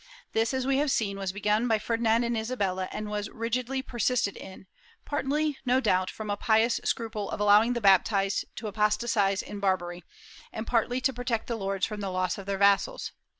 This, as we have seen, was begun by Ferdinand and Isabella and was rigidly persisted in — partly, no doubt, from a pious scruple of allowing the baptized to apostatize in Barbary, and partly to protect the lords from the loss of their vassals.